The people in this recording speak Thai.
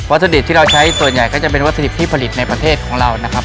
ถุดิบที่เราใช้ส่วนใหญ่ก็จะเป็นวัตถุดิบที่ผลิตในประเทศของเรานะครับ